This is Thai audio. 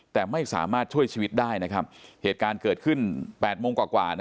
แต่ไม่สามารถช่วยชีวิตได้นะครับเหตุการณ์เกิดขึ้น๘โมงกว่า